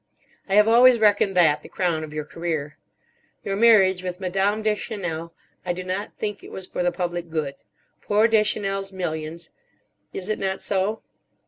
I have always reckoned that the crown of your career. Your marriage with Madame Deschenelle—I do not think it was for the public good. Poor Deschenelle's millions—is it not so?